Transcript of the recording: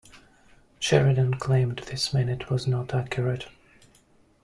Sheridan claimed this minute was not accurate.